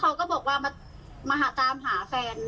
เขาก็บอกว่ามาตามหาแฟน